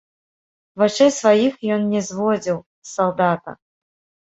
Вачэй сваіх ён не зводзіў з салдата.